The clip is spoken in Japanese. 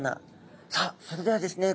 さあそれではですね